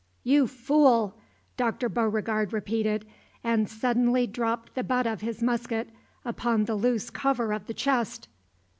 "You fool!" Dr. Beauregard repeated, and suddenly dropped the butt of his musket upon the loose cover of the chest.